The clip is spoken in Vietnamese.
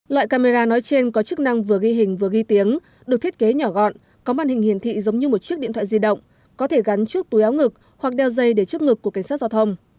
loại camera nói trên có chức năng vừa ghi hình vừa ghi tiếng được thiết kế nhỏ gọn có màn hình hiển thị giống như một chiếc điện thoại di động có thể gắn trước túi áo ngực hoặc đeo dây để trước ngực của cảnh sát giao thông